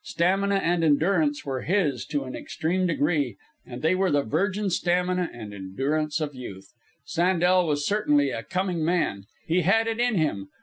Stamina and endurance were his to an extreme degree, and they were the virgin stamina and endurance of Youth. Sandel was certainly a coming man. He had it in him.